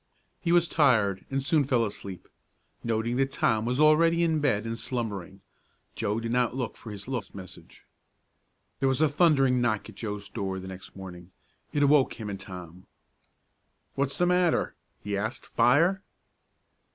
He was tired and soon fell asleep, noting that Tom was already in bed and slumbering. Joe did not look for his lost message. There was a thundering knock at Joe's door the next morning. It awoke him and Tom. "What's the matter?" he asked. "Fire!"